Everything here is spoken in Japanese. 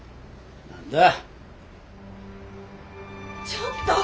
ちょっと！